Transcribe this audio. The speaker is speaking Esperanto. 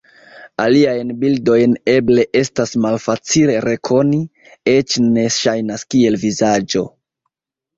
Aliajn bildojn eble estas malfacile rekoni, eĉ ne ŝajnas kiel vizaĝo.